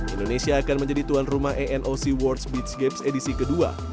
indonesia akan menjadi tuan rumah enoc worlds beach games edisi kedua